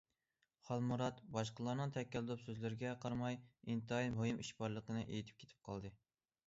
خالمۇرات باشقىلارنىڭ تەكەللۇپ سۆزلىرىگە قارىماي ئىنتايىن مۇھىم ئىشى بارلىقىنى ئېيتىپ كېتىپ قالدى.